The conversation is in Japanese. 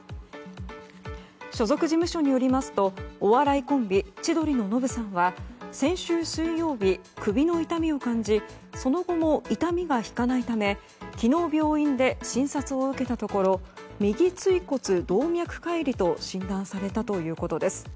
所属事務所によりますとお笑いコンビ千鳥のノブさんは先週水曜日、首の痛みを感じその後も痛みが引かないため昨日病院で診察を受けたところ右椎骨動脈解離と診断されたということです。